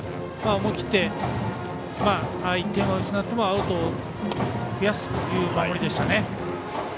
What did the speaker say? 思い切って、１点は失ってもアウトを増やすという守りでしたね。